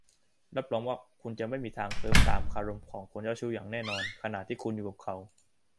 รับรองว่าคุณจะไม่มีทางเคลิ้มตามคารมของคนเจ้าชู้อย่างแน่นอน ขณะที่คุณอยู่กับเขา